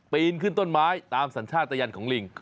ปีนขึ้นต้นไม้ตามสัญชาติตะยันของลิง